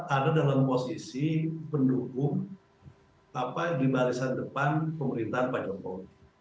ada dalam posisi pendukung di balasan depan pemerintahan pak joko widodo